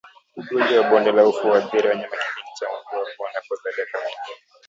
Ugonjwa wa bonde la ufa huathiri wanyama kipindi cha mvua mbu wanapozalia kwa wingi